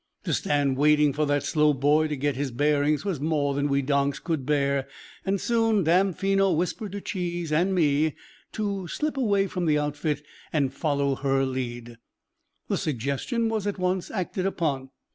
To stand waiting for that slow boy to get his bearings was more than we donks could bear, and soon Damfino whispered to Cheese and me to slip away from the outfit and follow her lead. The suggestion was at once acted upon.